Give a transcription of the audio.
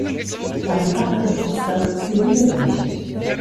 Sein Fach ist das Zivilrecht.